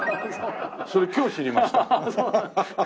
それ今日知りました。